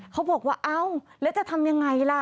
เขาบอกว่าเอ้าแล้วจะทำยังไงล่ะ